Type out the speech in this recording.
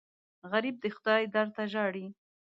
غریب د خدای در ته ژاړي